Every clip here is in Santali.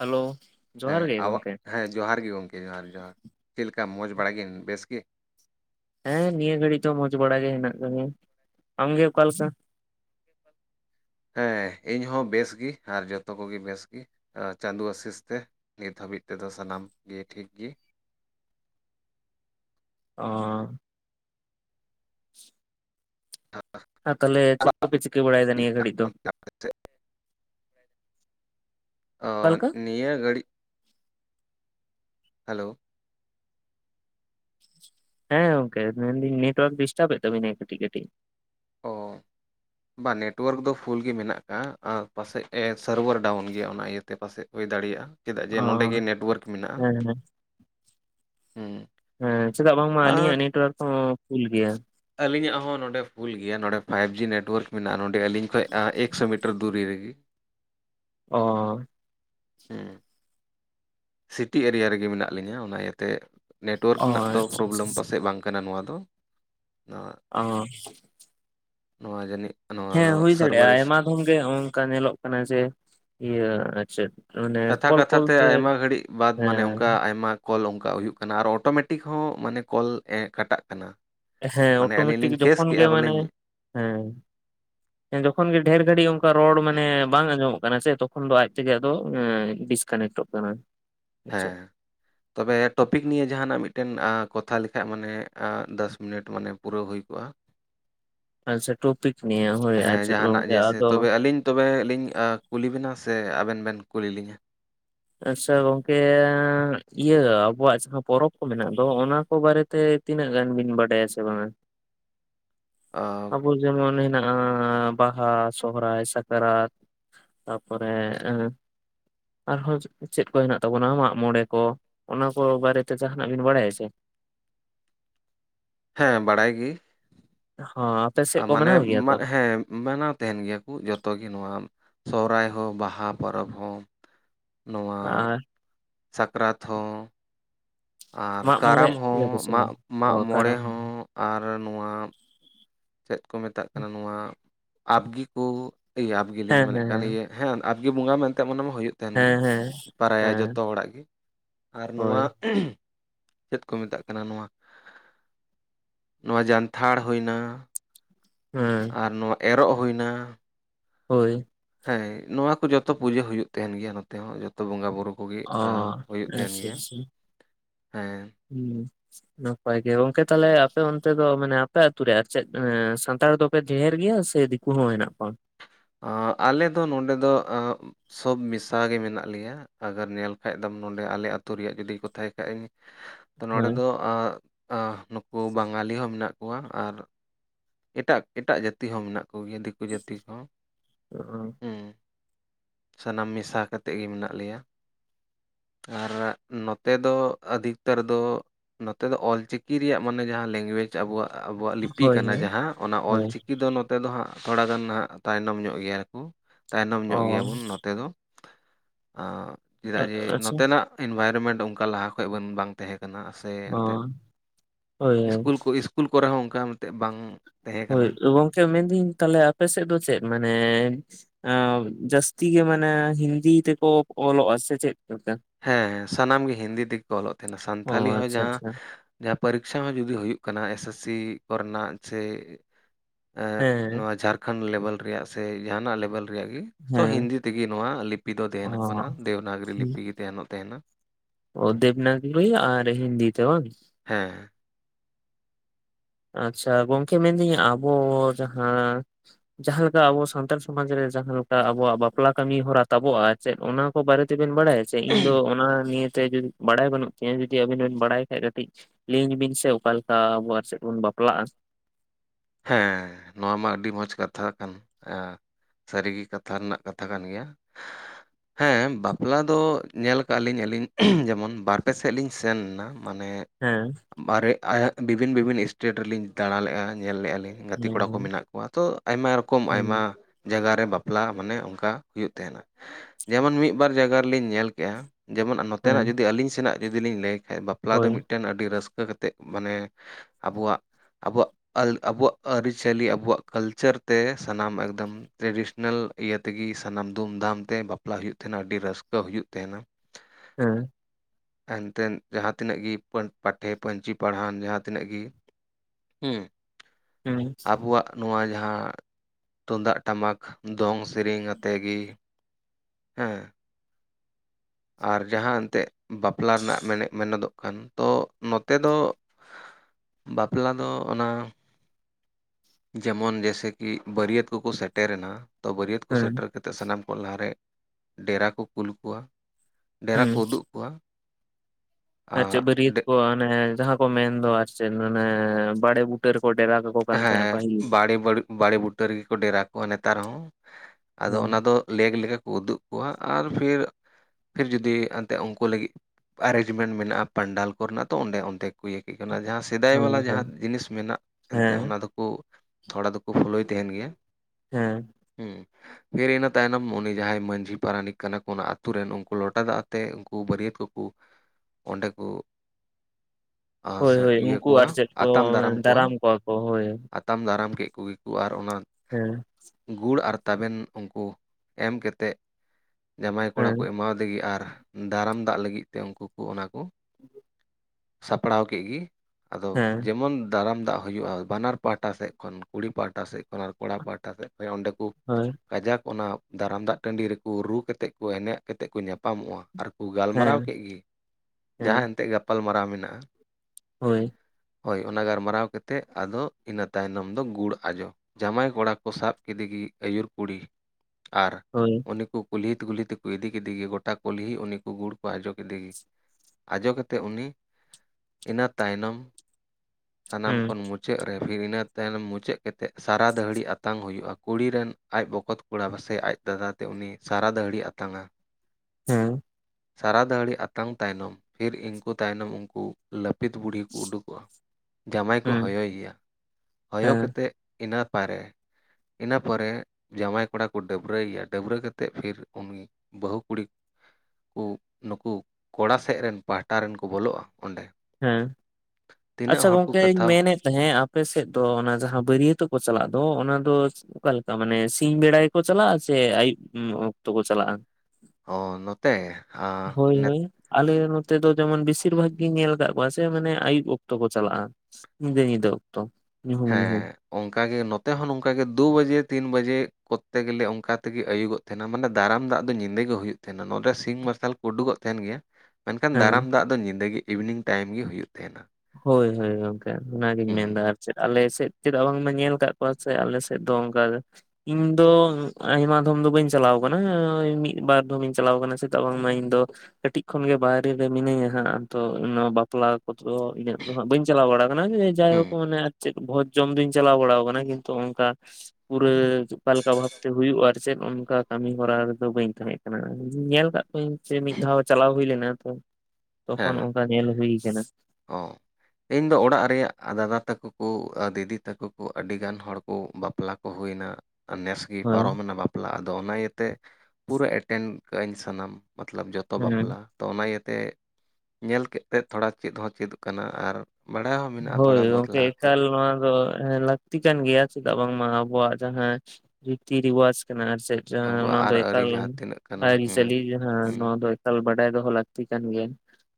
ᱦᱮᱞᱳ ᱡᱚᱦᱟᱨ ᱦᱮᱸ ᱜᱮ ᱜᱚᱝᱠᱮ [inaudible] ᱦᱮᱸ ᱡᱚᱦᱟᱨ ᱜᱮ ᱜᱚᱝᱠᱮ ᱡᱚᱦᱟᱨ ᱡᱚᱦᱟᱨ ᱪᱮᱫ ᱞᱮᱠᱟ ᱢᱚᱡᱽ ᱵᱟᱲᱟᱜᱤᱱ ᱵᱮᱥ ᱜᱮ ᱦᱮᱸ ᱱᱤᱭᱟᱹ ᱜᱷᱟᱹᱲᱤᱡ ᱫᱚ ᱢᱚᱸᱡᱽ ᱵᱟᱲᱟ ᱜᱮ ᱦᱮᱱᱟᱜ ᱟᱠᱟ ᱫᱤᱧᱟ ᱟᱢᱜᱮ ᱚᱠᱟᱮ ᱞᱮᱠᱟ ᱦᱮᱸ ᱤᱧ ᱦᱚ ᱵᱮᱥ ᱜᱮ ᱟᱨ ᱡᱚᱛᱚ ᱠᱚᱜᱮ ᱵᱮᱥ ᱜᱮ ᱪᱟᱸᱫᱳ ᱟᱥᱤᱥ ᱛᱮ ᱱᱤᱛ ᱦᱟᱹᱵᱤᱡ ᱛᱮᱫᱚ ᱥᱟᱱᱟᱢ ᱠᱩᱜᱤ ᱴᱷᱤᱠ ᱜᱤ ᱚ [unintelligible] ᱦ [unintelligible] ᱟᱨ ᱛᱟᱦᱚᱞᱮ ᱪᱮᱫ ᱠᱚᱯᱮ ᱪᱤᱠᱟᱹ ᱵᱟᱲᱟᱭᱮ ᱫᱟ ᱱᱤᱭᱟᱹ ᱜᱷᱟᱹᱲᱤᱡ ᱫᱚ ᱚ ᱚᱠᱟᱞᱮᱠᱟ ᱱᱤᱭᱟᱹ ᱜᱷᱟᱹᱲᱤᱡ ᱦᱮᱞᱳ ᱦᱮᱸ ᱠᱮᱝᱠᱮ ᱢᱮᱱᱫᱟᱹᱧ ᱱᱮᱴᱣᱟᱨᱠ ᱰᱤᱥᱴᱟᱵ ᱮ ᱛᱚᱵᱤᱱᱟ ᱠᱟᱹᱴᱤᱡ ᱠᱟᱹᱴᱤᱡ ᱚ [unintelligible] ᱵᱟ ᱱᱮᱴᱣᱟᱨᱠ ᱫᱚ ᱯᱷᱩᱞ ᱜᱮ ᱢᱮᱱᱟᱜ ᱟᱠᱟᱫ ᱟᱨ ᱯᱟᱥᱮᱡ ᱥᱟᱨᱵᱷᱟᱨ ᱰᱟᱣᱩᱱ ᱜᱮᱭᱟ ᱚᱱᱟ ᱤᱭᱟᱹᱛᱮ ᱯᱟᱥᱮᱡ ᱦᱩᱭ ᱫᱟᱲᱮᱭᱟᱜ-ᱟ ᱪᱮᱫᱟᱜ ᱡᱮ ᱚ ᱱᱚᱸᱰᱮ ᱜᱮ ᱱᱮᱴᱣᱟᱨᱠ ᱢᱮᱱᱟᱜ-ᱟ ᱦᱮᱸ ᱦᱮᱸ ᱦᱮᱸ ᱪᱮᱫᱟᱜ ᱵᱟᱝᱢᱟ ᱟᱹᱞᱤᱧᱟᱜ ᱱᱮᱴᱳᱣᱟᱨᱠ ᱦᱚᱸ ᱯᱷᱩᱞ ᱜᱮᱭᱟ ᱟᱞᱤᱧᱟᱜ ᱦᱚᱸ ᱱᱚᱸᱰᱮ ᱯᱷᱩᱞ ᱜᱮᱭᱟ ᱱᱚᱸᱰᱮ ᱯᱷᱟᱭᱤᱵ ᱡᱤ ᱱᱮᱴᱳᱣᱟᱨᱠ ᱢᱮᱱᱟᱜ-ᱟ ᱱᱚᱸᱰᱮ ᱟᱹᱞᱤᱧ ᱠᱷᱚᱡ ᱮᱠᱥᱳ ᱢᱤᱴᱟᱨ ᱫᱩᱨᱤ ᱨᱮᱜᱮ ᱚ ᱦᱩᱸ ᱥᱤᱴᱤ ᱮᱨᱤᱭᱟ ᱨᱮᱜᱮ ᱢᱮᱱᱟᱜ ᱞᱤᱧᱟᱹ ᱚᱱᱟ ᱤᱭᱟᱹᱛᱮ ᱱᱮᱴᱣᱟᱨᱠ ᱚ ᱨᱮᱱᱟᱜ ᱫᱚ ᱟᱪᱪᱷᱟ ᱯᱨᱚᱵᱞᱮᱢ ᱟᱪᱪᱷᱟ ᱯᱟᱥᱪᱮᱡ ᱵᱟᱝ ᱠᱟᱱᱟ ᱱᱚᱣᱟ ᱫᱚ ᱱᱚᱣᱟ ᱚ ᱱᱚᱣᱟ ᱡᱟᱹᱱᱤᱡ ᱱᱚᱣᱟ ᱫᱚ ᱦᱮᱸ ᱦᱩᱭ ᱥᱟᱨᱵᱷᱟᱨ ᱫᱟᱲᱮᱭᱟᱜᱼᱟ ᱤᱥᱩ ᱟᱭᱢᱟ ᱫᱷᱚᱢ ᱜᱮ ᱱᱚᱜᱝᱠᱟ ᱧᱮᱞᱚᱜ ᱠᱟᱱᱟ ᱡᱮ ᱤᱭᱟᱹ ᱟᱨ ᱪᱮᱫ। ᱢᱟᱱᱮ ᱠᱟᱛᱷᱟ ᱠᱚᱞ ᱠᱟᱛᱷᱟ ᱠᱚᱞ ᱛᱮ ᱟᱭᱢᱟ ᱜᱷᱟᱹᱲᱤᱡ ᱵᱟᱫ ᱢᱟᱱᱮ ᱦᱮᱸ ᱚᱱᱠᱟ ᱟᱭᱢᱟ ᱼᱼ ᱠᱚᱞ ᱚᱱᱠᱟ ᱦᱩᱭᱩᱜ ᱠᱟᱱᱟ ᱟᱨ ᱚᱴᱳᱢᱮᱴᱤᱠ ᱦᱚᱸ ᱢᱟᱱᱮ ᱠᱚᱞ ᱮ ᱠᱟᱴᱟᱜ ᱠᱟᱱᱟ। ᱦᱮᱸ ᱢᱟᱱᱮ ᱟᱹᱞᱤᱧ ᱚᱴᱳᱢᱮᱴᱤᱠ ᱞᱤᱧ ᱯᱷᱮᱥ ᱡᱚᱠᱷᱚᱱ ᱜᱮ ᱠᱮᱜᱼᱟ ᱢᱟᱱᱮ ᱵᱚᱞᱮᱧ ᱦᱮᱸ। ᱡᱚᱠᱷᱚᱱ ᱜᱮ ᱰᱷᱮᱨ ᱜᱷᱟᱹᱲᱤᱡ ᱚᱱᱠᱟ ᱨᱚᱲ ᱢᱟᱱᱮ ᱵᱟᱝ ᱟᱸᱡᱚᱢᱚᱜ ᱠᱟᱱᱟ ᱥᱮ ᱛᱚᱠᱷᱚᱱ ᱫᱚ ᱟᱡ ᱛᱮᱜᱮ ᱟᱫᱚ ᱮᱸ ᱰᱤᱥ ᱼᱼ ᱠᱟᱱᱮᱠᱴ ᱚᱜ ᱠᱟᱱᱟ। ᱟᱨ ᱪᱮᱫ ᱦᱮᱸ ᱛᱚᱵᱮ ᱴᱚᱯᱤᱠ ᱱᱤᱭᱮ ᱡᱟᱦᱟᱱᱟᱜ ᱢᱤᱫᱴᱮᱱ ᱟᱸ ᱠᱚᱛᱷᱟ ᱞᱮᱠᱷᱟᱡ ᱢᱟᱱᱮ ᱟᱸ ᱫᱚᱥ ᱢᱤᱱᱤᱴ ᱢᱟᱱᱮ ᱯᱩᱨᱟᱹᱣ ᱦᱩᱭ ᱠᱚᱜᱼᱟ। ᱟᱪᱪᱷᱟ ᱴᱚᱯᱤᱠ ᱱᱤᱭᱮ ᱦᱩᱭᱩᱜᱼᱟ ᱦᱮᱸ ᱪᱮᱫ ᱡᱟᱦᱟᱱᱟᱜ ᱜᱚᱝᱠᱮ ᱡᱮᱭᱥᱮ ᱟᱫᱚ ᱼᱼ ᱛᱚᱵᱮ ᱟᱹᱞᱤᱧ ᱛᱚᱵᱮ ᱞᱤᱧ ᱟᱸ ᱠᱩᱞᱤ ᱵᱮᱱᱟ ᱥᱮ ᱟᱵᱮᱱ ᱵᱮᱱ ᱠᱩᱞᱤ ᱞᱤᱧᱟ? ᱟᱪᱪᱷᱟ ᱜᱚᱝᱠᱮ ᱤᱭᱟᱹ ᱟᱵᱚᱣᱟᱜ ᱡᱟᱦᱟᱸ ᱯᱚᱨᱚᱵᱽ ᱠᱚ ᱢᱮᱱᱟᱜ ᱫᱚ ᱚᱱᱟ ᱠᱚ ᱵᱟᱨᱮᱛᱮ। ᱛᱤᱱᱟᱹᱜ ᱜᱟᱱ ᱵᱤᱱ ᱵᱟᱰᱟᱭᱟ ᱥᱮ ᱵᱟᱝᱟ? ᱚ ᱻ ᱟᱵᱚ ᱡᱮᱢᱚᱱ ᱦᱮᱱᱟᱜᱼᱟ ᱵᱟᱦᱟ ᱥᱚᱦᱚᱨᱟᱭ ᱥᱟᱠᱨᱟᱛ। ᱛᱟᱯᱚᱨᱮ ᱮᱸ ᱟᱨᱦᱚᱸ ᱪᱮᱫ ᱠᱚ ᱦᱮᱱᱟᱜ ᱛᱟᱵᱚᱱᱟ ᱢᱟᱜ ᱢᱚᱬᱮ ᱠᱚ᱾ ᱚᱱᱟ ᱠᱚ ᱵᱟᱨᱮᱛᱮ ᱡᱟᱦᱟᱱᱟᱜ ᱵᱤᱱ ᱵᱟᱲᱟᱭᱟ ᱥᱮ? ᱦᱮᱸ ᱵᱟᱲᱟᱭ ᱜᱮ। ᱦᱚᱸᱻ ᱢᱟᱱᱮ ᱢᱟᱫ ᱦᱮᱸ ᱢᱟᱱᱟᱣ ᱛᱟᱦᱮᱱ ᱜᱮᱭᱟ᱾ [inaudible] ᱡᱚᱛᱚᱮ ᱜᱮ ᱱᱚᱣᱟ ᱥᱚᱦᱚᱨᱟᱭ ᱦᱚᱸ ᱵᱟᱦᱟ ᱯᱚᱨᱚᱵᱽ ᱦᱚᱸ᱾ ᱱᱚᱣᱟ ᱼᱼ ᱟᱨ ᱥᱟᱠᱨᱟᱛ ᱦᱚᱸ᱾ ᱟᱨ ᱢᱟᱜ ᱢᱚᱬᱮ ᱠᱟᱨᱟᱢ ᱦᱚᱸ ᱜᱮᱭᱟ ᱯᱮ ᱥᱮ ᱢᱟᱜ ᱵᱟᱝ ᱚ ᱢᱟᱜ ᱢᱚᱬᱮ ᱠᱟᱨᱟᱢ ᱦᱚᱸ᱾ ᱟᱨ ᱱᱚᱣᱟ ᱼᱼ ᱪᱮᱫ ᱠᱚ ᱢᱮᱛᱟᱜ ᱠᱟᱱᱟ ᱱᱚᱣᱟ ᱟᱯᱜᱤ ᱠᱚ ᱤᱭᱟᱹ ᱟᱯᱜᱤ ᱞᱤᱧ ᱦᱮᱸ ᱦᱮᱸ ᱢᱮᱱᱮᱫ ᱠᱟᱱ ᱦᱮᱸ ᱤᱭᱟᱹ ᱼᱼ ᱦᱮᱸ ᱟᱯᱜᱤ ᱵᱚᱸᱜᱟ ᱢᱮᱱᱛᱮ ᱢᱚᱱᱮ ᱢᱟ ᱦᱩᱭᱩᱜ ᱼᱼ ᱛᱮᱱ ᱜᱮ ᱦᱮᱸ ᱦᱮᱸ ᱯᱟᱨᱟᱭᱟ ᱦᱮᱸ ᱡᱚᱛᱚ ᱦᱚᱲᱟᱜ ᱜᱮ᱾ ᱟᱨ ᱦᱳᱭ ᱱᱚᱣᱟ ᱼᱼ ᱪᱮᱫ ᱠᱚ ᱢᱮᱛᱟᱜ ᱠᱟᱱᱟ ᱱᱚᱣᱟ᱾ ᱱᱚᱣᱟ ᱡᱟᱱᱛᱷᱟᱲ ᱦᱩᱭᱱᱟ। ᱦᱮᱸ ᱟᱨ ᱱᱚᱣᱟ ᱮᱨᱚᱜ ᱦᱩᱭᱱᱟ। ᱦᱳᱭ ᱦᱮᱸ ᱱᱚᱣᱟ ᱠᱚ ᱡᱚᱛᱚ ᱯᱩᱡᱟᱹ ᱦᱩᱭᱩᱜ ᱛᱟᱦᱮᱱ ᱜᱮᱭᱟ। ᱛᱮᱦᱚᱸ ᱡᱚᱛᱚ ᱵᱚᱸᱜᱟ ᱵᱳᱩᱨᱩᱳ ᱠᱚᱜᱮ ᱚ ᱟᱸᱻ ᱦᱩᱭᱩᱜ ᱛᱟᱦᱮᱱ ᱜᱮᱭᱟ। ᱦᱮᱸ ᱦᱮᱸ ᱱᱟᱯᱟᱭ ᱜᱮ ᱜᱚᱝᱠᱮ ᱛᱟᱦᱟᱞᱮ ᱟᱯᱮ ᱚᱱᱛᱮ ᱫᱚ ᱢᱟᱱᱮ ᱟᱯᱮ ᱟᱛᱩ ᱨᱮ ᱟᱨ ᱪᱮᱫ ᱮᱸᱻ ᱥᱟᱱᱛᱟᱲ ᱫᱚᱯᱮ ᱰᱷᱮᱨ ᱜᱮᱭᱟ ᱥᱮ ᱼᱼ ᱫᱤᱠᱩ ᱠᱩ ᱦᱚᱸ ᱦᱮᱱᱟᱜ ᱠᱚᱣᱟ। ᱟᱸ ᱟᱞᱮ ᱫᱚ ᱱᱚᱰᱮ ᱫᱚ ᱟᱸ ᱥᱚᱵ ᱢᱮᱥᱟ ᱜᱮ ᱢᱮᱱᱟᱜ ᱞᱮᱭᱟ᱾ ᱟᱜᱟᱨ ᱧᱮᱞ ᱠᱷᱟᱡ ᱫᱚᱢ ᱱᱚᱰᱮ ᱟᱞᱮ ᱟᱹᱛᱩ ᱨᱮᱭᱟᱜ ᱡᱩᱫᱤ ᱠᱚᱛᱷᱟᱭ ᱠᱷᱟᱡ ᱤᱧ ᱼᱼ ᱛᱚ ᱱᱚᱸᱰᱮ ᱦᱳᱭ ᱫᱚ ᱟᱸ ᱟᱸ ᱱᱩᱠᱩ ᱵᱟᱝᱜᱟᱞᱤ ᱦᱚᱸ ᱢᱮᱱᱟᱜ ᱠᱚᱣᱟ᱾ ᱟᱨ ᱼᱼ ᱮᱴᱟᱜ ᱮᱴᱟᱜ ᱡᱟᱹᱛᱤ ᱦᱚᱸ ᱢᱮᱱᱟᱜ ᱠᱚᱜᱮᱭᱟ ᱫᱤᱠᱩ ᱡᱟᱹᱛᱤ ᱠᱚ ᱦᱚᱸ ᱦᱮᱸ। ᱥᱟᱱᱟᱢ ᱢᱮᱥᱟ ᱠᱟᱛᱮᱫ ᱜᱮ ᱢᱮᱱᱟᱜ ᱞᱮᱭᱟ। ᱟᱨ ᱱᱚᱛᱮ ᱫᱚ ᱟᱹᱰᱤᱫᱛᱟᱹᱨ ᱫᱚ ᱼᱼ ᱱᱚᱛᱮ ᱫᱚ ᱚᱞᱪᱤᱠᱤ ᱨᱮᱭᱟᱜ ᱢᱟᱱᱮ ᱡᱟᱦᱟᱸ ᱞᱮᱝᱜᱩᱭᱮᱡᱽ ᱟᱵᱚᱣᱟᱜ ᱟᱵᱚᱣᱟᱜ ᱞᱤᱯᱤ ᱦᱳᱭ ᱠᱟᱱᱟ ᱦᱳᱭ ᱡᱟᱦᱟᱸ᱾ ᱚᱱᱟ ᱚᱞᱪᱤᱠᱤ ᱦᱳᱭ ᱼᱼ ᱪᱤᱠᱤ ᱫᱚ ᱱᱚᱛᱮ ᱫᱚ ᱦᱟᱸᱜ ᱛᱷᱚᱲᱟ ᱜᱟᱱ ᱦᱟᱸᱜ ᱛᱟᱭᱱᱚᱢ ᱧᱚᱜ ᱜᱮᱭᱟ ᱠᱚ ᱛᱟᱭᱱᱚᱢ ᱚ ᱧᱚᱜ ᱜᱮᱭᱟᱵᱚᱱ ᱱᱚᱛᱮ ᱫᱚ᱾ ᱟᱸ ᱪᱮᱫᱟᱜ ᱡᱮ ᱟᱪᱪᱷᱟ ᱱᱚᱛᱮᱱᱟᱜ ᱼᱼ ᱤᱱᱵᱷᱟᱭᱨᱢᱮᱱᱴ ᱚᱱᱠᱟ ᱞᱟᱦᱟ ᱠᱷᱚᱡ ᱵᱟᱱ, ᱵᱟᱝ ᱛᱟᱦᱮᱸ ᱠᱟᱱᱟ᱾ ᱥᱮ ᱚ ᱮᱱᱛᱮᱫ, ᱦᱳᱭ ᱦᱳᱭ ᱤᱥᱠᱩᱞ ᱠᱚ ᱤᱥ ᱠᱩᱞ ᱠᱚᱨᱮ ᱦᱚᱸ ᱚᱱᱠᱟ ᱢᱤᱫᱛᱮᱡ ᱵᱟᱝ ᱼᱼ ᱦᱳᱭ ᱜᱚᱝᱠᱮ ᱢᱮᱱᱫᱟᱹᱧ ᱛᱟᱦᱟᱞᱮ ᱟᱯᱮᱥᱮᱫ ᱫᱚ ᱪᱮᱫ? ᱢᱟᱱᱮ ᱼᱼ ᱮᱸ ᱡᱟᱹᱥᱛᱤ ᱜᱮ ᱢᱟᱱᱮ ᱦᱤᱱᱫᱤ ᱛᱮᱠᱚ ᱚᱞᱚᱜᱼᱟ ᱥᱮ ᱪᱮᱫᱞᱮᱠᱟ? ᱦᱮᱸ ᱦᱮᱸ ᱥᱟᱱᱟᱢ ᱜᱮ ᱦᱤᱱᱫᱤ ᱛᱮᱜᱮ ᱠᱚ ᱚᱞᱚᱜ ᱛᱟᱦᱮᱱᱟ᱾ ᱚ ᱥᱟᱱᱛᱷᱟᱞᱤ ᱦᱚᱸ ᱟᱪᱪᱷᱟ ᱡᱟᱦᱟᱸ ᱟᱪᱪᱷᱟ ᱼᱼ ᱡᱟᱦᱟᱸ ᱯᱚᱨᱤᱠᱠᱷᱟ ᱦᱚᱸ ᱡᱩᱫᱤ ᱦᱩᱭᱩᱜ ᱠᱟᱱᱟ ᱮᱥ ᱮᱥᱥᱤ ᱠᱚᱨᱮᱱᱟᱜ ᱪᱮ ᱼᱼ ᱦᱮᱸ ᱱᱚᱣᱟ ᱡᱷᱟᱲᱠᱷᱚᱸᱰ ᱞᱮᱵᱮᱞ ᱨᱮᱭᱟᱜ ᱥᱮ ᱡᱟᱦᱟᱱᱟᱜ ᱞᱮᱵᱮᱞ ᱨᱮᱭᱟᱜ ᱜᱮ, ᱛᱚ ᱦᱮᱸ ᱦᱤᱱᱫᱤ ᱛᱮᱜᱮ ᱱᱚᱣᱟ ᱞᱤᱯᱤ ᱫᱚ ᱛᱟᱦᱮᱱᱚᱜ ᱠᱟᱱᱟ ᱫᱮᱵᱽᱱᱟᱜᱚᱨᱤ ᱞᱤᱯᱤ ᱜᱮ ᱛᱟᱦᱮᱱᱚᱜ ᱛᱟᱦᱮᱱᱟ᱾ ᱚ ᱫᱮᱵᱽᱱᱟᱱᱟᱜᱚᱨᱤ ᱟᱨ ᱦᱤᱱᱫᱤ ᱛᱮ ᱵᱟᱝ? ᱦᱮᱸ ᱟᱪᱪᱷᱟ ᱜᱚᱝᱠᱮ ᱢᱮᱱᱫᱟᱹᱧ ᱟᱵᱚ ᱡᱟᱦᱟᱸ ᱡᱟᱦᱟᱸ ᱞᱮᱠᱟ ᱟᱵᱚ ᱥᱟᱱᱛᱟᱲ ᱥᱚᱢᱟᱡᱽ ᱨᱮ ᱡᱟᱦᱟᱸ ᱞᱮᱠᱟ ᱟᱵᱚᱣᱟᱜ ᱵᱟᱯᱞᱟ ᱠᱟᱹᱢᱤ ᱦᱚᱨᱟ ᱛᱟᱵᱚᱜᱼᱟ, ᱪᱮᱫ ᱚᱱᱟ ᱠᱚ ᱵᱟᱨᱮ ᱛᱮᱵᱮᱱ ᱵᱟᱲᱟᱭᱟ ᱡᱮ ᱤᱧ ᱫᱚ ᱚᱱᱟ ᱱᱤᱭᱮᱛᱮ ᱡᱩᱫᱤ ᱵᱟᱲᱟᱭ ᱵᱟᱹᱱᱩᱜ ᱛᱤᱧᱟ ᱡᱩᱫᱤ ᱟᱵᱤᱱ ᱵᱤᱱ ᱵᱟᱲᱟᱭ ᱠᱷᱟᱡ ᱠᱟᱹᱴᱤᱡ ᱞᱤᱧ ᱵᱤᱱ ᱥᱮ ᱚᱠᱟᱞᱮᱠᱟ ᱟᱵᱚᱣᱟᱜ ᱟᱨ ᱪᱮᱫ ᱵᱚᱱ ᱵᱟᱯᱞᱟᱜᱼᱟ? ᱦᱮᱸ ᱱᱚᱣᱟ ᱢᱟ ᱟᱹᱰᱤ ᱢᱚᱸᱡᱽ ᱠᱟᱛᱷᱟ ᱠᱟᱱ। ᱮᱸᱻ ᱥᱟᱹᱨᱤᱜᱮ ᱠᱟᱛᱷᱟ ᱨᱮᱱᱟᱜ ᱠᱟᱛᱷᱟ ᱠᱟᱱ ᱜᱮᱭᱟ᱾ [inaudible] ᱦᱮᱸ ᱵᱟᱯᱞᱟ ᱫᱚ ᱧᱮᱞ ᱟᱠᱟᱫ ᱞᱤᱧ ᱟᱹᱞᱤᱧ ᱡᱮᱢᱚᱱ ᱵᱟᱨᱯᱮ ᱥᱮᱫ ᱞᱤᱧ ᱥᱮᱱ ᱮᱱᱟ, ᱢᱟᱱᱮ ᱦᱮᱸ ᱵᱟᱨᱦᱮ ᱟᱭᱟ ᱵᱤᱵᱷᱤᱱ ᱵᱤᱵᱷᱤᱱ ᱮᱥᱴᱮᱴ ᱨᱮᱞᱤᱧ ᱫᱟᱬᱟ ᱞᱮᱫᱜᱼᱟ ᱧᱮᱞ ᱞᱮᱫᱜᱼᱟ ᱞᱤᱧ᱾ ᱜᱟᱛᱮ ᱠᱚᱲᱟ ᱠᱚ ᱦᱮᱸ ᱢᱮᱱᱟᱜ ᱠᱚᱣᱟ ᱛᱚ, ᱟᱭᱢᱟ ᱨᱚᱠᱚᱢ ᱟᱭᱢᱟ, ᱦᱮᱸ ᱡᱟᱜᱟ ᱨᱮ ᱵᱟᱯᱞᱟ ᱢᱟᱱᱮ ᱚᱱᱠᱟ ᱦᱩᱭᱩᱜ ᱛᱟᱦᱮᱱᱟ ᱡᱮᱢᱚᱱ ᱢᱤᱫ ᱵᱟᱨ ᱡᱟᱭᱜᱟ ᱨᱮᱞᱤᱧ ᱧᱮᱞ ᱠᱮᱜᱼᱟ, ᱡᱮᱢᱚᱱ ᱱᱚᱛᱮᱱᱟᱜ ᱦᱮᱸ ᱡᱩᱫᱤ ᱟᱹᱞᱤᱧ ᱥᱮᱱᱟᱜ ᱡᱩᱫᱤ ᱟᱞᱤᱧ ᱞᱟᱹᱭ ᱠᱷᱟᱡ ᱵᱟᱯᱞᱟ ᱫᱚ ᱦᱳᱭ ᱢᱤᱫ ᱴᱮᱱ ᱟᱹᱰᱤ ᱨᱟᱹᱥᱠᱟᱹ ᱠᱟᱛᱮᱫ ᱢᱟᱱᱮ ᱟᱵᱚᱣᱟᱜ ᱟᱵᱚᱣᱟᱜ ᱟᱵᱚᱣᱟᱜ ᱟᱹᱨᱤᱪᱟᱹᱞᱤ ᱟᱵᱚᱣᱟᱜ ᱠᱟᱞᱪᱟᱨ ᱛᱮ ᱥᱟᱱᱟᱢ ᱮᱠᱫᱚᱢ ᱴᱨᱮᱰᱤᱥᱚᱱᱟᱞ ᱤᱭᱟᱹ ᱛᱮᱜᱮ ᱥᱟᱱᱟᱢ ᱫᱷᱩᱢᱫᱷᱟᱢ ᱛᱮ ᱵᱟᱯᱞᱟ ᱦᱩᱭᱩᱜ ᱛᱟᱦᱮᱱᱟ ᱟᱹᱰᱤ ᱨᱟᱹᱥᱠᱟᱹ ᱦᱩᱭᱩᱜ ᱛᱟᱦᱮᱱᱟ᱾ ᱦᱮᱸ ᱮᱱᱛᱮᱫ ᱡᱟᱦᱟᱸ ᱛᱤᱱᱟᱹᱜ ᱜᱮ ᱯᱟᱴᱷᱮ ᱯᱟᱹᱧᱪᱤ ᱯᱟᱲᱦᱟᱱ ᱡᱟᱦᱟᱸ ᱛᱤᱱᱟᱹᱜ ᱜᱮ ᱦᱮᱸ ᱦᱮᱸ ᱟᱵᱚᱣᱟᱜ ᱱᱚᱣᱟ ᱡᱟᱦᱟᱸ ᱛᱩᱢᱫᱟᱜ ᱴᱟᱢᱟᱠ ᱫᱚᱝ ᱥᱮᱨᱮᱧ ᱟᱛᱮ ᱜᱮ ᱦᱮᱸ᱾ ᱟᱨ ᱡᱟᱦᱟᱸ ᱮᱱᱛᱜᱮ ᱵᱟᱯᱞᱟ ᱨᱮᱱᱟᱜ ᱢᱮᱱᱮᱛ ᱢᱮᱱᱮᱫᱚᱜ ᱠᱟᱱ ᱛᱚ ᱱᱚᱛᱮ ᱫᱚ ᱵᱟᱯᱞᱟ ᱫᱚ ᱚᱱᱟ ᱡᱮᱢᱚᱱ ᱡᱮᱭᱥᱮ ᱠᱤ ᱵᱟᱹᱨᱭᱟᱹᱛ ᱠᱚᱠᱚ ᱥᱮᱴᱮᱨᱮᱱᱟ, ᱛᱚ ᱵᱟᱹᱨᱭᱟᱹᱛ ᱠᱚ ᱦᱮᱸ ᱥᱮᱴᱮᱨ ᱠᱟᱛᱮᱫ ᱥᱟᱱᱟᱢ ᱠᱚ ᱞᱟᱦᱟᱨᱮ ᱰᱮᱨᱟ ᱠᱚ ᱠᱩᱞ ᱠᱚᱣᱟ ᱰᱮᱨᱟ ᱦᱮᱸ ᱠᱚ ᱩᱫᱩᱜ ᱠᱚᱣᱟ᱾ ᱟᱪᱪᱷᱟ ᱟᱨ ᱵᱟᱹᱨᱭᱟᱹᱛ ᱰᱮ- ᱠᱚ ᱚᱱᱮ ᱡᱟᱦᱟᱸ ᱠᱚ ᱢᱮᱱᱫᱚ ᱟᱨ ᱪᱮᱫ ᱢᱟᱱᱮ ᱵᱟᱲᱮ ᱵᱩᱴᱟᱹᱨ ᱠᱚ ᱰᱮᱨᱟ ᱠᱟ ᱦᱮᱸ ᱵᱟᱲᱮ ᱵᱟᱲᱮ ᱵᱩᱴᱟᱹ ᱨᱮᱜᱮ ᱠᱚ ᱰᱮᱨᱟ ᱠᱚᱣᱟ ᱱᱮᱛᱟᱨ ᱦᱚᱸ, ᱟᱫᱚ ᱦᱮᱸ ᱚᱱᱟ ᱫᱚ ᱞᱮᱜ ᱞᱮᱠᱟ ᱠᱚ ᱩᱫᱩᱜ ᱠᱚᱣᱟ ᱟᱨ ᱯᱷᱤᱨ ᱯᱷᱤᱨ ᱡᱩᱫᱤ ᱮᱱᱛᱮᱫ ᱩᱱᱠᱩ ᱞᱟᱹᱜᱤᱫ ᱟᱨᱮᱧᱡᱢᱮᱱᱴ ᱢᱮᱱᱟᱜᱼᱟ ᱯᱟᱱᱰᱟᱞ ᱠᱚᱨᱮᱱᱟᱜ ᱛᱚ ᱚᱸᱰᱮ ᱚᱱᱛᱮ ᱠᱚ ᱤᱭᱟᱹ ᱠᱟᱱᱟ ᱡᱟᱦᱟᱸ ᱥᱮᱫᱟᱭ ᱦᱳᱭ ᱵᱟᱞᱟ ᱦᱳᱭ ᱡᱟᱦᱟᱸ ᱡᱤᱱᱤᱥ ᱢᱮᱱᱟᱜ ᱮᱱᱛᱮᱫ ᱚᱱᱟ ᱦᱮᱸ ᱫᱚᱠᱚ ᱛᱷᱚᱲᱟ ᱫᱚᱠᱚ ᱯᱷᱳᱞᱳᱭ ᱛᱟᱦᱮᱱ ᱜᱮᱭᱟ᱾ ᱦᱮᱸ ᱦᱮᱸ ᱯᱷᱤᱨ ᱤᱱᱟᱹ ᱛᱟᱭᱱᱚᱢ ᱩᱱᱤ ᱡᱟᱦᱟᱸᱭ ᱢᱟᱺᱡᱷᱤ ᱯᱟᱨᱟᱱᱤᱠ ᱠᱟᱱᱟ ᱠᱚ ᱚᱱᱟ ᱟᱛᱩ ᱨᱮᱱ ᱩᱱᱠᱩ ᱞᱚᱴᱟ ᱫᱟᱜ ᱟ ᱛᱮ ᱩᱱᱠᱩ ᱵᱟᱹᱨᱭᱟᱹᱛ ᱠᱚ ᱠᱚ ᱚᱸᱰᱮ ᱠᱚ ᱟ ᱦᱳᱭ ᱥᱮ ᱦᱳᱭ ᱤᱭᱟᱹ ᱩᱱᱠᱩ ᱠᱚᱣᱟ ᱟᱨ ᱪᱮᱫ ᱠᱚ ᱟᱛᱟᱢ ᱫᱟᱨᱟᱢ ᱠᱚᱣᱟ ᱠᱚ ᱦᱳᱭ᱾ ᱟᱛᱟᱢ ᱫᱟᱨᱟᱢ ᱠᱮᱫ ᱠᱚᱜᱮ ᱠᱚ, ᱟᱨ ᱚᱱᱟ ᱦᱮᱸ ᱜᱩᱲ ᱟᱨ ᱛᱟᱵᱮᱱ ᱩᱱᱠᱩ ᱮᱢ ᱠᱟᱛᱮᱫ ᱡᱟᱢᱟᱭ ᱠᱚᱲᱟ ᱦᱮᱸ ᱠᱚ ᱮᱟᱢᱭ ᱞᱟᱹᱜᱤᱫ ᱟᱨ ᱫᱟᱨᱟᱢ ᱫᱟᱜ ᱞᱟᱹᱜᱤᱫ ᱛᱮ ᱩᱱᱠᱩ ᱠᱚ ᱚᱱᱟ ᱠᱚ ᱦᱩᱸ [unintelligible] ᱥᱟᱯᱲᱟᱣ ᱠᱮᱫ ᱜᱮ ᱟᱫᱚ ᱦᱮᱸ ᱡᱮᱢᱚᱱ ᱫᱟᱨᱟᱢ ᱫᱟᱜ- ᱦᱩᱭᱩᱜᱼᱟ ᱵᱟᱱᱟᱨ ᱯᱟᱦᱟᱴᱟ ᱥᱮᱫ ᱠᱷᱚᱱ ᱠᱩᱲᱤ ᱯᱟᱦᱟᱴᱟ ᱥᱮᱫ ᱠᱷᱚᱱ᱾ ᱟᱨ ᱠᱚᱲᱟ ᱯᱟᱦᱴᱟ ᱥᱮᱫ ᱠᱷᱚᱱ ᱚᱸᱰᱮ ᱠᱚ ᱦᱟᱭ ᱠᱟᱡᱟᱠ ᱚᱱᱟ ᱫᱟᱨᱟᱢ ᱫᱟᱜ ᱴᱟᱺᱰᱤ ᱨᱮᱠᱚ ᱨᱩ ᱠᱟᱛᱮ ᱠᱚ ᱮᱱᱮᱡ ᱠᱟᱛᱮ ᱠᱚ ᱧᱟᱯᱟᱢᱚᱜᱼᱟ ᱟᱨ ᱠᱚ ᱜᱟᱞᱢᱟᱨᱟᱣ ᱦᱮᱸ ᱠᱮᱫ ᱜᱮ ᱦᱮᱸ ᱡᱟᱦᱟᱸ ᱮᱱᱛᱜ ᱜᱟᱯᱟᱞ ᱢᱟᱨᱟᱣ ᱢᱮᱱᱟᱜᱼᱟ᱾ ᱦᱳᱭ᱾ ᱦᱳᱭ ᱚᱱᱟ ᱜᱟᱞᱢᱟᱨᱟᱣ ᱠᱟᱛᱮ ᱛᱮ ᱟᱫᱚ ᱤᱱᱟᱹ ᱛᱟᱭᱱᱚᱢ ᱫᱚ ᱜᱩᱲ ᱟᱡᱚ ᱡᱟᱢᱟᱭ ᱠᱚᱲᱟ ᱠᱚ ᱥᱟᱵ ᱠᱮᱫᱮ ᱜᱮ ᱟᱹᱭᱩᱨ ᱠᱩᱲᱤ᱾ ᱟᱨ ᱦᱳᱭ᱾ ᱩᱱᱤ ᱠᱚ ᱠᱩᱞᱦᱤ ᱠᱩᱞᱦᱤ ᱛᱮᱠᱚ ᱤᱫᱤ ᱠᱮᱫᱮᱜ ᱜᱮ ᱜᱚᱴᱟ ᱠᱩᱞᱦᱤ ᱩᱱᱤ ᱠᱚ ᱜᱩᱲ ᱠᱚ ᱟᱡᱡᱚ ᱠᱮᱫᱮᱜ ᱜᱮ᱾ ᱟᱡᱡᱚ ᱠᱟᱛᱮ ᱩᱱᱤ ᱤᱱᱟᱹ ᱛᱟᱭᱱᱚᱢ ᱥᱟᱱᱟᱢ ᱦᱩᱸ ᱠᱷᱚᱱ ᱢᱩᱪᱟᱹᱫ ᱢᱩᱪᱟᱹᱫ ᱨᱮ ᱯᱷᱤᱨ ᱤᱱᱟᱹ ᱛᱟᱭᱱᱚᱢ ᱢᱩᱪᱟᱹᱫ ᱠᱟᱛᱮ ᱥᱟᱨᱟ ᱫᱟᱹᱦᱲᱤ ᱟᱛᱟᱝ ᱦᱩᱭᱩᱜᱼᱟ ᱠᱩᱲᱤᱨᱮᱱ ᱟᱡ ᱵᱚᱠᱚᱛ ᱠᱚᱲᱟ ᱯᱟᱥᱮ ᱟᱡ ᱫᱟᱫᱟ ᱛᱮ ᱩᱱᱤ ᱥᱟᱨᱟ ᱫᱟᱹᱦᱲᱤᱭ ᱟᱛᱟᱝᱟ᱾ ᱦᱮᱸ ᱥᱟᱞᱟ ᱫᱟᱹᱲᱤ ᱟᱛᱟᱝ ᱛᱟᱭᱱᱚᱢ ᱯᱷᱤᱨ ᱤᱱᱠᱩ ᱛᱟᱭᱱᱚᱢ ᱩᱱᱠᱩ ᱞᱟᱹᱯᱤᱛ ᱵᱩᱲᱦᱤ ᱠᱚ ᱩᱰᱩᱠᱚᱜᱼᱟ ᱡᱟᱢᱟᱭ ᱠᱚ ᱦᱩᱸ ᱦᱚᱭᱚᱭ ᱭᱮᱭᱟ ᱦᱚᱭᱚ ᱦᱮᱸ ᱠᱟᱛᱮᱫ ᱤᱱᱟᱹ ᱯᱟᱨᱮ ᱤᱱᱟᱹ ᱯᱚᱨᱮ ᱡᱟᱶᱟᱭ ᱠᱚᱲᱟ ᱠᱚ ᱰᱟᱹᱵᱽᱨᱟᱹᱭᱮᱭᱟ ᱰᱟᱹᱵᱽᱨᱟᱹ ᱠᱟᱛᱮ ᱯᱷᱤᱨ ᱩᱱᱤ ᱵᱟᱹᱦᱩ ᱠᱩᱲᱤ ᱩ ᱱᱩᱠᱩ ᱠᱚᱲᱟ ᱥᱮᱫ ᱨᱮᱱ ᱯᱟᱦᱟᱴᱟ ᱨᱮᱱ ᱠᱚ ᱵᱚᱞᱚᱜᱼᱟ ᱚᱸᱰᱮ᱾ ᱦᱮᱸ ᱛᱤᱱᱟᱹᱜ ᱟᱪᱪᱷᱟ ᱦᱚᱲ ᱠᱚ ᱜᱚᱝᱠᱮ ᱤᱧ ᱠᱟᱛᱷᱟ ᱢᱮᱱᱮᱫ ᱛᱟᱞᱦᱮᱸ ᱟᱯᱮ ᱥᱮᱫ ᱫᱚ ᱚᱱᱟ ᱡᱟᱦᱟᱸ ᱵᱟᱹᱨᱭᱟᱹᱛᱚᱜ ᱠᱚ ᱪᱟᱞᱟᱜ ᱫᱚ ᱚᱱᱟ ᱫᱚ- ᱚᱠᱟᱞᱮᱠᱟ ᱢᱟᱱᱮ ᱥᱤᱧ ᱵᱮᱲ ᱜᱮᱠᱚ ᱪᱟᱞᱟᱜᱼᱟ ᱥᱮ ᱟᱹᱭᱩᱵ ᱚᱠᱛᱚ ᱠᱚ ᱪᱟᱞᱟᱜᱼᱟ? ᱚ ᱱᱚᱛᱮ ᱟᱻᱻ ᱦᱳᱭ ᱦᱳᱭ ᱟᱞᱮ ᱱᱚᱛᱮ ᱫᱚ ᱡᱮᱢᱚᱱ ᱵᱮᱥᱤᱨ ᱵᱷᱟᱜᱽ ᱜᱮ ᱧᱮᱞ ᱢᱮᱛᱟᱜ ᱠᱚᱣᱟ ᱥᱮ ᱢᱟᱱᱮ ᱟᱹᱭᱩᱵ ᱚᱠᱛᱚ ᱠᱚ ᱪᱟᱞᱟᱜᱼᱟ ᱧᱤᱫᱟᱹ ᱧᱤᱫᱟᱹ᱾ ᱧᱩᱦᱩᱢ ᱧᱩᱦᱩᱢ ᱦᱮᱸᱻᱻ ᱚᱱᱠᱟ ᱜᱮ ᱱᱚᱛᱮ ᱦᱚᱸ ᱱᱚᱝᱠᱟ ᱜᱮ ᱫᱩ ᱵᱟᱡᱮ ᱛᱤᱱ ᱵᱟᱡᱮ ᱠᱚᱨᱛᱮ ᱜᱮᱞᱮ ᱚᱱᱠᱟ ᱛᱮᱜᱮ ᱟᱹᱭᱩᱵᱚᱜ ᱛᱟᱦᱮᱱᱟ ᱢᱟᱱᱮ ᱫᱟᱨᱟᱢ ᱫᱟᱜ ᱫᱚ ᱧᱤᱫᱟᱹ ᱜᱮ ᱦᱩᱭᱩᱜ ᱛᱟᱦᱮᱱᱟ ᱱᱚᱸᱰᱮ ᱥᱤᱧ ᱢᱟᱨᱥᱟᱞ ᱠᱚ ᱩᱰᱩᱠᱚᱜ ᱛᱟᱦᱮᱱ ᱜᱮᱭᱟ᱾ ᱢᱮᱱᱠᱷᱟᱱ ᱦᱮᱸ ᱫᱟᱨᱟᱢ ᱫᱟᱜ ᱫᱚ ᱧᱤᱫᱟᱹ ᱜᱮ ᱤᱵᱦᱤᱱᱤᱯᱷ ᱴᱟᱭᱚᱢ ᱜᱮ ᱦᱩᱭᱩᱜ ᱛᱟᱦᱮᱸᱱᱟ᱾ ᱦᱳᱭ ᱦᱳᱭ ᱜᱚᱝᱠᱮ ᱚᱱᱟᱜᱤᱧ ᱢᱮᱱᱫᱟ ᱟᱨ ᱪᱮᱫ ᱟᱞᱮᱥᱮᱫ ᱪᱮᱫᱟᱜ ᱵᱟᱝᱢᱟ ᱧᱮᱞ ᱟᱠᱟᱫ ᱠᱚᱣᱟ᱾ ᱥᱮ ᱟᱞᱮ ᱥᱮ ᱫᱚ ᱚᱝᱠᱟ ᱜᱮ᱾ ᱤᱧ ᱫᱚ ᱟᱭᱢᱟ ᱫᱷᱚᱢ ᱫᱚ ᱵᱟᱹᱧ ᱪᱟᱞᱟᱣ ᱟᱠᱟᱱᱟ ᱢᱤᱫᱵᱟᱨ ᱫᱷᱚᱢ ᱤᱧ ᱪᱟᱞᱟᱣ ᱟᱠᱟᱱᱟ ᱥᱮᱛᱟᱜ ᱵᱟᱝᱢᱟ ᱤᱧ ᱫᱚ᱾ ᱠᱟᱹᱴᱤᱡ ᱠᱷᱚᱱᱜᱮ ᱵᱟᱭᱨᱮ ᱨᱮ ᱢᱤᱱᱟᱹᱧᱟ ᱦᱟᱸᱜ ᱟᱫᱚ ᱱᱚᱶᱟ ᱵᱟᱯᱞᱟ ᱠᱚᱫᱚ ᱛᱚ ᱤᱧᱟᱹᱜ ᱫᱚ ᱦᱟᱜ ᱵᱟᱹᱧ ᱪᱟᱞᱟᱣ ᱵᱟᱲᱟ ᱟᱠᱟᱱᱟ ᱦᱩᱸ ᱡᱟᱭᱦᱳᱠ ᱢᱟᱱᱮ ᱪᱮᱫ ᱵᱷᱚᱡᱽ ᱡᱚᱢ ᱫᱚᱧ ᱪᱟᱞᱟᱣ ᱵᱟᱲᱟ ᱟᱠᱟᱱᱟ ᱠᱤᱱᱛᱩ ᱚᱱᱠᱟ ᱯᱩᱨᱟᱹ ᱚᱠᱟᱞᱮᱠᱟ ᱵᱷᱟᱵᱛᱮ ᱦᱩᱭᱩᱜᱼᱟ ᱟᱨ ᱪᱮᱫ ᱚᱱᱠᱟ ᱠᱟᱹᱢᱤ ᱦᱚᱨᱟ ᱨᱮᱫᱚ ᱵᱟᱹᱧ ᱛᱟᱦᱮᱸᱮᱫ᱾ ᱤ ᱧᱮᱞ ᱟᱠᱟᱫ ᱠᱚᱣᱟᱧ ᱡᱮ ᱢᱤᱫ ᱫᱷᱟᱣ ᱪᱟᱞᱟᱣ ᱦᱩᱭ ᱞᱮᱱᱟ ᱛᱚ᱾ ᱛᱚᱠᱷᱚᱱ ᱦᱮᱸ ᱚᱱᱠᱟ ᱧᱮᱞ ᱦᱩᱭ ᱟᱠᱟᱱᱟ᱾ ᱚ ᱤᱧ ᱫᱚ ᱚᱲᱟᱜ ᱨᱮᱭᱟᱜ ᱫᱟᱫᱟ ᱛᱟᱠᱚ ᱠᱚ ᱫᱤᱫᱤ ᱛᱟᱠᱚ ᱠᱚ ᱟᱹᱰᱤ ᱜᱟᱱ ᱦᱚᱲ ᱠᱚ ᱵᱟᱯᱞᱟ ᱠᱚ ᱦᱩᱭ ᱱᱟ᱾ ᱱᱮᱥ ᱜᱮ ᱦᱳᱭ ᱯᱟᱨᱚᱢᱮᱱᱟ ᱵᱟᱯᱞᱟ ᱟᱫᱚ ᱚᱱᱟ ᱤᱭᱟᱹᱛᱮ ᱯᱩᱨᱟᱹ ᱮᱴᱮᱱ ᱠᱟᱜ ᱟᱹᱧ ᱥᱟᱱᱟᱢ ᱢᱚᱛᱞᱚᱵ ᱡᱚᱛᱚ ᱛᱚ ᱦᱮᱸ ᱵᱟᱯᱞᱟ ᱛᱚ ᱚᱱᱟ ᱤᱭᱟᱹᱛᱮ ᱧᱮᱞ ᱠᱮᱫ ᱛᱮ ᱛᱷᱚᱲᱟ ᱪᱮᱫ ᱦᱚᱸ ᱪᱮᱫ ᱠᱟᱱᱟ ᱟᱨ᱾ ᱵᱟᱲᱟᱭ ᱦᱚᱸ ᱢᱮᱱᱟᱜᱼᱟ ᱦᱳᱭ ᱛᱷᱚᱲᱟ ᱵᱚᱦᱩᱛ ᱜᱚᱝᱠᱮ ᱞᱟᱦᱟ ᱠᱷᱚᱡ ᱮᱠᱟᱞ ᱱᱚᱣᱟ ᱫᱚ ᱞᱟ. ᱠ ᱛᱤ ᱠᱟᱱ ᱜᱮᱭᱟ ᱪᱮᱫᱟᱜ ᱵᱟᱝᱢᱟ ᱟᱵᱚᱣᱟᱜ ᱡᱟᱦᱟᱸ ᱨᱤᱛᱤ ᱨᱮᱣᱟᱡ ᱠᱟᱱᱟ ᱟᱨ ᱪᱮᱫ ᱚᱱᱟ ᱟᱵᱚᱣᱟᱜ ᱫᱚ ᱟᱨ ᱟᱹᱨᱤ ᱮᱠᱟᱞ ᱡᱟᱦᱟᱸ ᱛᱤᱱᱟᱹᱜ ᱠᱟᱱᱟ ᱦᱩᱸ ᱟᱹᱨᱤᱪᱟᱹᱞᱤ ᱡᱟᱦᱟᱸ ᱦᱩᱸ ᱱᱚᱣᱟ ᱫᱚ᱾ ᱵᱟᱰᱟᱭ ᱫᱚᱦᱚ ᱞᱟᱹᱠᱛᱤ ᱠᱟᱱ ᱜᱮᱭᱟ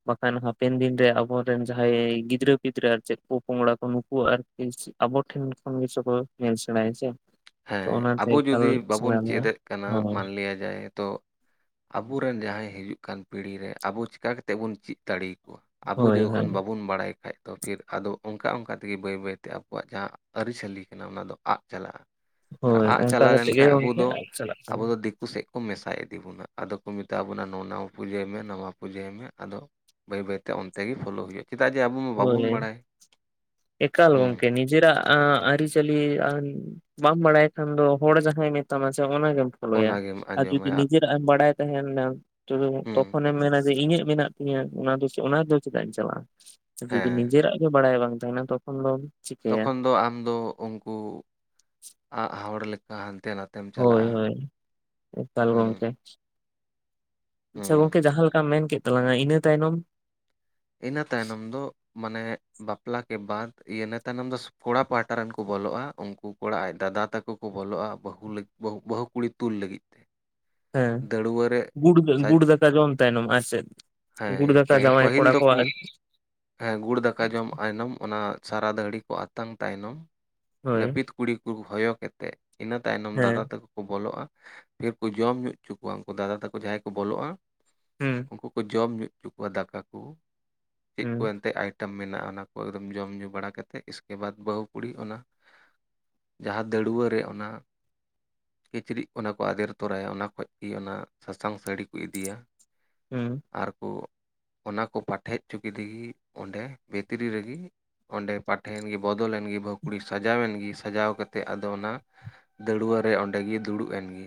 ᱵᱟᱝᱠᱷᱟᱱ ᱦᱟᱯᱮᱱ ᱫᱤᱱ ᱨᱮ ᱟᱵᱚᱨᱮᱱ ᱡᱟᱦᱟᱸᱭ ᱜᱤᱫᱽᱨᱟᱹ ᱜᱤᱫᱽᱨᱟᱹ ᱟᱨ ᱪᱮᱫ ᱯᱚᱯᱚᱝᱲᱟ ᱠᱚ ᱱᱩᱠᱩ ᱟᱨᱠᱤ ᱟᱵᱚ ᱴᱷᱮᱱ ᱠᱷᱚᱱ ᱜᱮ ᱥᱮ ᱠᱚ ᱧᱮᱞ ᱥᱮᱬᱟᱭᱟ ᱥᱮ ᱛᱚ ᱦᱮᱸ ᱚᱱᱟᱛᱮ ᱟᱵᱚ ᱮᱠᱟᱞ ᱡᱩᱫᱤ ᱵᱟᱵᱚᱱ ᱥᱟᱱᱟᱢᱟ ᱪᱮᱫ ᱮᱫ ᱠᱟᱱᱟ ᱦᱳᱭ ᱢᱟᱱᱞᱤᱭᱟ ᱡᱟᱭ ᱛᱚ᱾ ᱟᱵᱚᱨᱮᱱ ᱡᱟᱦᱟᱸᱭ ᱦᱤᱡᱩᱜ ᱠᱟᱱ ᱯᱤᱲᱦᱤ ᱨᱮ ᱟᱵᱚ ᱪᱤᱠᱟ ᱠᱟᱛᱮᱫ ᱵᱩᱱ ᱪᱮᱫ ᱫᱟᱲᱮ ᱠᱚ᱾ ᱟᱵᱚ ᱦᱳᱭ ᱡᱚᱠᱷᱚᱱ ᱦᱳᱭ ᱵᱟᱵᱚᱱ ᱵᱟᱲᱟᱭ ᱠᱷᱟᱡ ᱛᱚ ᱯᱷᱤᱨ ᱟᱫᱚ ᱚᱱᱠᱟ ᱚᱱᱠᱟ ᱛᱮᱜᱮ ᱵᱟᱹᱭ ᱵᱟᱹᱭᱛᱮ ᱟᱵᱚᱣᱟᱜ ᱡᱟᱦᱟᱸ ᱟᱹᱨᱤᱪᱟᱹᱞᱤ ᱠᱟᱱᱟ, ᱚᱱᱟ ᱫᱚ ᱟᱫ, ᱽ ᱪᱟᱞᱟᱜᱼᱟ᱾ ᱟᱨ ᱦᱳᱭ ᱟᱜ ᱚᱱᱠᱟ ᱪᱟᱞᱟᱣ ᱠᱟᱛᱮᱜ ᱜᱮ ᱞᱮᱱᱠᱷᱟᱱ ᱟᱵᱚ ᱜᱚᱝᱠᱮ ᱫᱚ ᱪᱟᱞᱟᱜ ᱟᱵᱚ ᱠᱟᱱᱟ ᱫᱚ ᱫᱤᱠ- -ᱠᱩ ᱥᱮᱫ ᱠᱚ ᱢᱮᱥᱟ ᱤᱫᱤ ᱵᱚᱱᱟ, ᱟᱫᱚ ᱠᱚ ᱢᱮᱛᱟ ᱵᱚᱱᱟ ᱱᱟᱣᱟ ᱯᱩᱡᱟᱹᱭ ᱢᱮ ᱱᱟᱣᱟ ᱯᱩᱡᱟᱹᱭ ᱢᱮ ᱟᱫᱚ ᱵᱟᱹᱭ ᱵᱟᱹᱭ ᱛᱮ ᱚᱱᱛᱮ ᱜᱮ ᱯᱷᱳᱞᱳ ᱦᱩᱭᱩᱜᱼᱟ, ᱪᱮᱫᱟᱜ ᱡᱮ ᱟᱵᱚ ᱢᱟ ᱦᱳᱭ ᱵᱟᱵᱚᱱ ᱵᱟᱲᱟᱭ ᱦᱮᱸ᱾ ᱱᱤᱡᱮ ᱨᱟᱜ ᱟᱹᱨᱤᱪᱟᱞᱤ ᱵᱟ ᱵᱟᱲᱟᱭ ᱠᱷᱟᱱ ᱫᱚ ᱦᱚᱲ ᱡᱟᱦᱟᱸᱭ ᱢᱮᱛᱟᱢᱟ ᱥᱮ ᱚᱱᱟᱜᱮᱢ ᱯᱷᱚᱞᱳᱭᱟ ᱚᱱᱟᱜᱮᱢ ᱟᱨ ᱡᱩᱫᱤ ᱟᱸᱡᱚᱢᱟᱭᱟ ᱱᱤᱡᱮᱨᱟᱜ ᱮᱢ ᱵᱟᱲᱟᱭ ᱛᱟᱦᱮᱱᱟ ᱛᱚ ᱦᱩᱸ ᱛᱚᱠᱷᱚᱱᱮᱢ ᱢᱮᱱᱟ ᱡᱮ ᱤᱧᱟᱹᱜ ᱢᱮᱱᱟᱜ ᱤᱧᱟᱜ ᱚᱱᱟ ᱫᱚ ᱚᱱᱟ ᱫᱚ ᱪᱮᱫᱟᱜ ᱮᱢ ᱪᱟᱞᱟᱜᱼᱟ ᱡᱩᱫᱤ ᱦᱮᱸ ᱱᱤᱡᱮᱨᱟᱜ ᱜᱮ ᱵᱟᱲᱟᱭ ᱵᱟᱝ ᱛᱟᱦᱮᱱᱟ ᱛᱚᱠᱷᱚᱱ ᱫᱚ ᱛᱚᱠᱷᱚᱱ ᱫᱚ ᱟᱢ ᱫᱚ ᱩᱱᱠᱩ ᱟᱜ ᱦᱚᱲ ᱞᱮᱠᱟ ᱦᱟᱱᱛᱮ ᱱᱟᱛᱮ ᱦᱳᱭ ᱦᱳᱭ ᱮᱠᱟᱞ ᱦᱩᱸ ᱜᱚᱝᱠᱮ ᱟᱪᱪᱷᱟ ᱦᱩᱸ ᱜᱚᱝᱠᱮ ᱡᱟᱦᱟᱸ ᱞᱮᱠᱟᱢ ᱢᱮᱱ ᱠᱮᱫ ᱛᱟᱞᱟᱝᱼᱟ, ᱤᱱᱟᱹ ᱛᱟᱭᱱᱚᱢ ᱤᱱᱟᱹ ᱛᱟᱭᱱᱚᱢ ᱫᱚ ᱢᱟᱱᱮ ᱵᱟᱯᱞᱟ ᱠᱮ ᱵᱟᱫ ᱤᱱᱟᱹ ᱛᱟᱭᱱᱚᱢ ᱫᱚ ᱠᱚᱲᱟ ᱯᱟᱦᱴᱟ ᱨᱮᱱ ᱠᱚ ᱵᱚᱞᱚᱜᱼᱟ, ᱩᱱᱠᱩ ᱠᱚᱲᱟ ᱟᱡ ᱫᱟᱫᱟ ᱛᱟᱠᱚ ᱠᱚ ᱵᱚᱞᱚᱜᱼᱟ, ᱵᱟᱹᱦᱩ ᱵᱟᱹᱦᱩ ᱠᱩᱲᱤ ᱛᱩᱞ ᱞᱟᱹᱜᱤᱫ᱾ ᱛᱮ [inaudible] ᱦᱮᱸ ᱫᱟᱹᱲᱣᱟᱹ ᱨᱮ ᱜᱩᱲ ᱥᱟᱡ ᱜᱩᱲ ᱫᱟᱠᱟ ᱡᱚᱢ ᱛᱟᱭᱱᱚᱢ ᱟᱨ ᱪᱮᱫ ᱜᱩᱲ ᱫᱟᱠᱟ ᱡᱟᱶᱟᱭ ᱠᱚᱲᱟ ᱠᱚ ᱩᱜ ᱦᱮᱸ ᱜᱩᱲ ᱫᱟᱠᱟ ᱡᱚᱢ ᱛᱟᱭᱱᱚᱢ ᱚᱱᱟ ᱥᱟᱨᱦᱟ ᱫᱟᱹᱲᱦᱤ ᱠᱚ ᱟᱛᱟᱝ ᱛᱟᱭᱱᱚᱢ᱾ ᱦᱳᱭ ᱞᱟᱹᱯᱤᱛ ᱠᱩᱲᱤ ᱠᱚ ᱦᱚᱭᱚ ᱠᱮᱛᱮᱫ ᱤᱱᱟᱹ ᱛᱟᱭᱱᱚᱢ ᱦᱮᱸ ᱫᱟᱫᱟ ᱛᱟᱠᱚ ᱵᱚᱞᱚᱜᱼᱟ, ᱯᱷᱤᱨ ᱠᱚ ᱡᱚᱢ ᱧᱩᱜ ᱪᱳ ᱠᱚᱣᱟ ᱩᱱᱠᱩ ᱫᱟᱫᱟ ᱛᱟᱠᱚ ᱡᱟᱦᱟᱸᱭ ᱠᱚ ᱵᱚᱞᱚᱜᱼᱟ᱾ ᱦᱮᱸ ᱩᱱᱠᱩ ᱠᱚ ᱡᱚᱢ ᱧᱩᱜ ᱪᱳ ᱠᱚᱣᱟ ᱫᱟᱠᱟ ᱠᱚ᱾ ᱪᱮᱫ ᱠᱚ ᱦᱩᱸ ᱮᱱᱛᱮᱫ ᱟᱭᱴᱮᱢ ᱢᱮᱱᱟᱜᱼᱟ, ᱚᱱᱟ ᱠᱚ ᱮᱠ ᱫᱚᱢ ᱡᱚᱢ ᱧᱩ ᱵᱟᱲᱟ ᱠᱟᱛᱮᱫ ᱤᱥᱠᱮ ᱵᱟᱫᱽ ᱵᱟᱹᱦᱩ ᱠᱩᱲᱤ ᱚᱱᱟ ᱡᱟᱦᱟᱸ ᱫᱟᱹᱲᱣᱟᱹ ᱨᱮ ᱚᱱᱟ ᱠᱤᱪᱨᱤᱡ ᱚᱱᱟ ᱠᱚ ᱟᱫᱮᱨ ᱛᱚᱨᱟᱭᱟ ᱚᱱᱟ ᱠᱷᱚᱡ ᱜᱮ ᱚᱱᱟ ᱥᱟᱥᱟᱝ ᱥᱟᱹᱲᱤ ᱠᱚ ᱤᱫᱤᱭᱟ ᱦᱮᱸ ᱟᱨ ᱠᱚ ᱚᱱᱟ ᱠᱚ ᱯᱟᱴᱷᱮᱡ ᱪᱚ ᱠᱮᱫᱤ ᱜᱮ ᱚᱸᱰᱮ ᱵᱷᱤᱛᱨᱤ ᱨᱮᱜᱮ ᱚᱸᱰᱮ ᱯᱟᱴᱷᱮ ᱮᱱᱜᱮ ᱵᱚᱫᱚᱞ ᱮᱱᱜᱮ ᱵᱟᱹᱦᱩ ᱠᱩᱲᱤ ᱥᱟᱡᱟᱣ ᱮᱱᱜᱮ ᱥᱟᱡᱟᱣ ᱠᱟᱛᱮᱜ ᱟᱫᱚ ᱚᱱᱟ ᱫᱟᱹᱲᱣᱟᱹ ᱨᱮ ᱚᱸᱰᱮᱜᱮ ᱫᱩᱲᱩᱵ ᱮᱱᱜᱮ᱾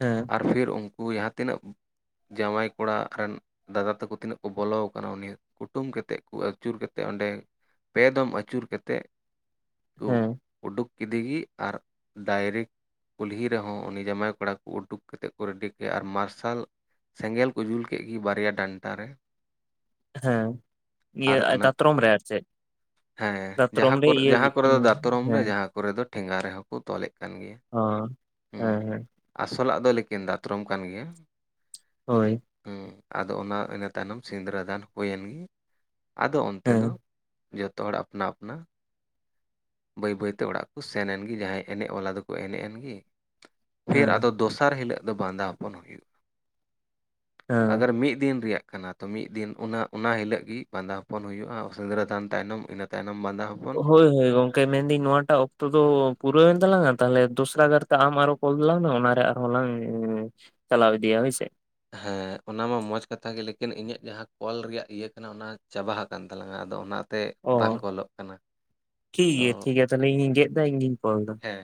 ᱦᱮᱸ ᱟᱨ ᱯᱷᱤᱨ ᱩᱱᱠᱩ ᱡᱟᱦᱟᱸ ᱛᱤᱱᱟᱹᱜ ᱡᱟᱶᱟᱭ ᱠᱚᱲᱟ ᱨᱮᱱ ᱫᱟᱫᱟ ᱛᱟᱠᱚ ᱛᱤᱱᱟᱹᱜ ᱠᱚ ᱵᱚᱞᱚ ᱠᱟᱱᱟ ᱩᱱᱤ ᱠᱩᱴᱩᱢ ᱠᱟᱛᱮᱫ ᱠᱚ ᱟᱹᱪᱩᱨ ᱠᱟᱛᱮᱫ ᱚᱸᱰᱮ ᱯᱮ ᱫᱚᱢ ᱟᱹᱪᱩᱨ ᱠᱟᱛᱮᱫ ᱛᱩᱜ ᱦᱮᱸ ᱩᱰᱩᱠ ᱠᱮᱫᱮᱜᱮ ᱟᱨ ᱰᱟᱭᱨᱮᱴ ᱠᱩᱞᱦᱤ ᱨᱮᱦᱚᱸ ᱩᱱᱤ ᱡᱟᱶᱟᱭ ᱠᱚᱲᱟ ᱠᱚ ᱩᱰᱩᱠ ᱠᱟᱛᱮᱫ ᱠᱚ ᱨᱮᱰᱤ ᱠᱮᱭᱟ ᱟᱨ ᱢᱟᱨᱥᱟᱞ ᱥᱮᱸᱜᱮᱞ ᱠᱚ ᱡᱩᱞ ᱠᱮᱫ ᱜᱮ ᱵᱟᱨᱭᱟ ᱰᱟᱱᱴᱟ ᱨᱮ ᱦᱮᱸ ᱤᱭᱟᱹ ᱟᱨ ᱚᱱᱟ ᱫᱟᱛᱨᱚᱢ ᱨᱮ ᱟᱨ ᱪᱮᱫ ᱦᱮᱸ ᱫᱟᱛᱨᱚᱢ ᱡᱟᱦᱟᱸ ᱨᱮ ᱠᱚᱨᱮ ᱤᱭᱟᱹ ᱡᱟᱦᱟᱸ ᱠᱚᱨᱮ ᱫᱚ ᱫᱟᱛᱨᱚᱢ ᱨᱮ ᱦᱮᱸ ᱡᱟᱦᱟᱸ ᱠᱚᱨᱮ ᱫᱚ ᱴᱷᱮᱸᱜᱟ ᱨᱮᱦᱚᱸ ᱠᱚ ᱛᱚᱞᱮᱫ ᱠᱟᱱ ᱜᱮᱭᱟ᱾ ᱚ ᱦᱮᱸ ᱦᱩᱸ ᱦᱮᱸ ᱟᱥᱚᱞᱟᱜ ᱫᱚ ᱞᱮᱠᱤᱱ ᱫᱟᱛᱨᱚᱢ ᱠᱟᱱ ᱜᱮᱭᱟ᱾ ᱦᱳᱭ ᱦᱮᱸ ᱟᱫᱚ ᱚᱱᱟ ᱤᱱᱟᱹ ᱛᱟᱭᱱᱚᱢ ᱥᱤᱸᱫᱽᱨᱟᱹᱫᱟᱱ ᱦᱩᱭ ᱮᱱᱜᱮ ᱟᱫᱚ ᱚᱱᱛᱮ ᱦᱮᱸ ᱫᱚ ᱡᱚᱛᱚ ᱦᱚᱲ ᱟᱯᱱᱟ ᱟᱯᱱᱟ ᱵᱟᱹᱭ ᱵᱟᱹᱭᱛᱮ ᱚᱲᱟᱜ ᱠᱚ ᱥᱮᱱ ᱮᱱ ᱜᱮ ᱡᱟᱦᱟᱸᱭ ᱮᱱᱮᱡ ᱵᱟᱞᱟ ᱫᱚᱠᱚ ᱮᱱᱮᱡ ᱮᱱ ᱜᱮ ᱯᱷᱤᱨ ᱟᱫᱚ ᱦᱮᱸ ᱫᱚᱥᱟᱨ ᱦᱤᱞᱳᱜ ᱫᱚ ᱵᱟᱸᱫᱟ ᱦᱚᱯᱚᱱ ᱦᱩᱭᱩᱜᱼᱟ᱾ ᱟᱜᱟᱨ ᱦᱮᱸ ᱢᱤᱫ ᱫᱤᱱ ᱨᱮᱭᱟᱜ ᱠᱟᱱᱟ ᱛᱚ ᱢᱤᱫ ᱫᱤᱱ ᱚᱱᱟ ᱚᱱᱟ ᱦᱤᱞᱟᱹᱜ ᱜᱮ ᱵᱟᱸᱫᱟ ᱦᱚᱯᱚᱱ ᱦᱩᱭᱩᱜᱼᱟ, ᱥᱤᱸᱫᱽᱨᱟᱹᱫᱟᱱ ᱛᱟᱭᱱᱚᱢ ᱤᱱᱟᱹ ᱛᱟᱭᱱᱚᱢ ᱵᱟᱸᱫᱟ ᱦᱚᱯᱚᱱ ᱦᱳᱭ ᱦᱳᱭ ᱜᱚᱝᱠᱮ ᱢᱮᱱᱫᱟᱹᱧ ᱱᱚᱣᱟᱴᱟᱜ ᱚᱠᱛᱚ ᱫᱚ ᱯᱩᱨᱟᱹᱣᱮᱱ ᱛᱟᱞᱟᱝᱟ ᱛᱟᱦᱚᱞᱮ ᱫᱚᱥᱨᱟ ᱜᱟᱨᱛᱮ ᱟᱢ ᱟᱨᱚ ᱠᱚᱞ ᱛᱟᱞᱟᱝ ᱢᱮ ᱚᱱᱟᱨᱮ ᱟᱨᱦᱚᱸ ᱞᱟᱝ ᱪᱟᱞᱟᱣ ᱤᱫᱤᱭᱟ ᱦᱳᱭᱥᱮ ᱦᱮᱸ ᱚᱱᱟ ᱢᱟ ᱢᱚᱸᱡᱽ ᱠᱟᱛᱷᱟ ᱜᱮ ᱞᱮᱠᱤᱱ ᱤᱧᱟᱹᱜ ᱡᱟᱦᱟᱸ ᱠᱚᱞ ᱨᱮᱭᱟᱜ ᱤᱭᱟᱹ ᱠᱟᱱᱟ ᱚᱱᱟ ᱪᱟᱵᱟ ᱦᱟᱠᱟᱱ ᱛᱟᱞᱟᱝᱟ ᱟᱫᱚ ᱚᱱᱟ ᱚ ᱴᱷᱤᱠ ᱛᱚ ᱜᱮᱭᱟ ᱴᱷᱤᱠ ᱜᱮᱭᱟ ᱛᱟᱦᱞᱮ ᱤᱧᱤᱧ ᱜᱮᱫ ᱫᱟ ᱤᱧ ᱜᱤᱧ ᱠᱚᱞ ᱮᱫᱟ ᱾ ᱦᱮᱸ